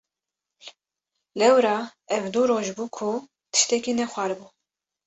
Lewra ev du roj bû ku tiştekî nexwaribû.